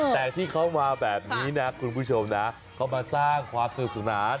แต่ที่เขามาแบบนี้นะคุณผู้ชมนะเขามาสร้างความสนุกสนาน